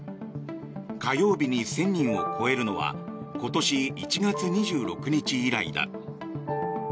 火曜日に１０００人を超えるのは今年１月２６日以来だ。